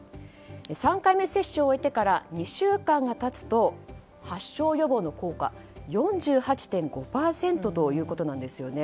３回目接種を終えてから２週間が経つと発症予防の効果４８．５％ということなんですね。